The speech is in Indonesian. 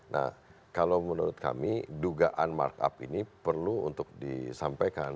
nah kalau menurut kami dugaan markup ini perlu untuk disampaikan